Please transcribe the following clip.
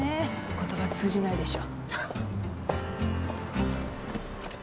言葉通じないでしょ。